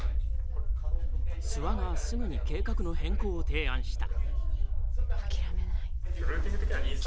諏訪がすぐに計画の変更を提案した。